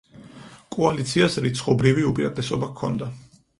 კოალიციას რიცხობრივი უპირატესობა ჰქონდა.